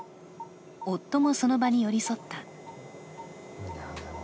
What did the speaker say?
夫もその場に寄り添った。